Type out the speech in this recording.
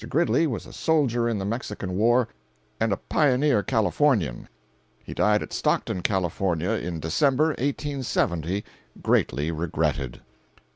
Gridley was a soldier in the Mexican war and a pioneer Californian. He died at Stockton, California, in December, 1870, greatly regretted.